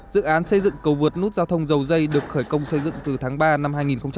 dự án xây dựng cầu vượt nút giao thông dầu dây được khởi công xây dựng từ tháng ba năm hai nghìn một mươi chín